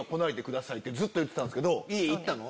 ずっと言ってたんすけど家行ったの？